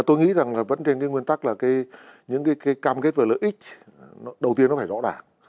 tôi nghĩ rằng là vẫn trên cái nguyên tắc là những cái cam kết và lợi ích nó đầu tiên nó phải rõ ràng